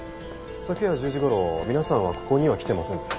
昨夜１０時頃皆さんはここには来てませんか？